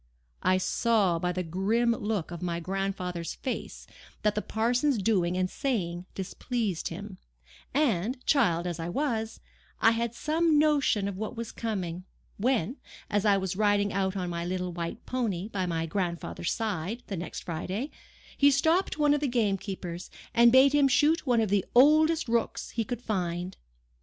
I saw by the grim look of my grandfather's face that the parson's doing and saying displeased him; and, child as I was, I had some notion of what was coming, when, as I was riding out on my little, white pony, by my grandfather's side, the next Friday, he stopped one of the gamekeepers, and bade him shoot one of the oldest rooks he could find.